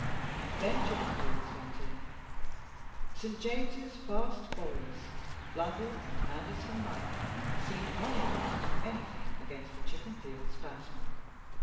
Then Chippenfield's went in. St. James's fast bowlers, Blundell and Anderson minor, seemed unable to do anything against the Chippenfield's batsmen.